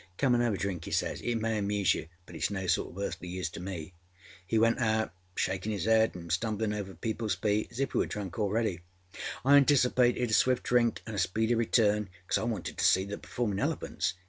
Come and have a drink,â he says. âIt may amuse you, but itâs no sort of earthly use to me.â He went out shaking his head anâ stumblinâ over peopleâs feet as if he was drunk already. I anticipated a swift drink anâ a speedy return, because I wanted to see the performinâ elephants.